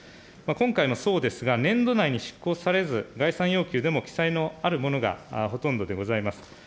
今回もそうですが、年度内に執行されず、概算要求でも記載のあるものがほとんどでございます。